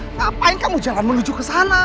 ngapain kamu jalan menuju kesana